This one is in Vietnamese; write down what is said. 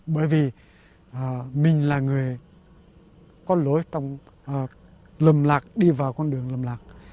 bởi vì mình là người có lối trong lầm lạc đi vào con đường lầm lạc